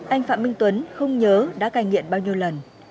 anh phạm minh tuấn không nhớ đã cai nghiện bao nhiêu lần